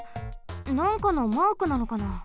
なんかのマークなのかな？